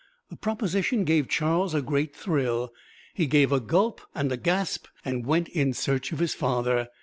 The proposition gave Charles a great thrill: he gave a gulp and a gasp and went in search of his father.